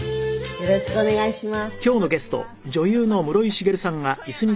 よろしくお願いします。